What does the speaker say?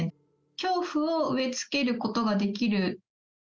恐怖を植え付けることができる。